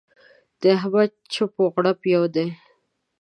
د احمد چپ و غړوپ يو دی.